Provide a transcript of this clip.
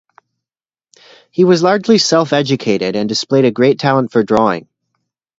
He was largely self-educated and displayed a great talent for drawing.